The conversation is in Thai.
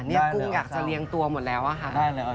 นี่กุ้งอยากจะเลี้ยงตัวหมดแล้วอะค่ะ